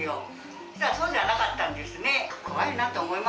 そうしたらそうじゃなかったんですね。